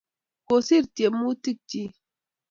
Kosir tyemutik chik.